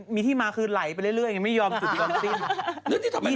มีที่มาคือไหลไปเรื่อยยังไม่ยอมจุดยอมสิ้น